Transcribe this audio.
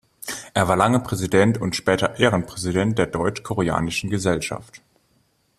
Er war lange Präsident und später Ehrenpräsident der Deutsch-Koreanischen Gesellschaft.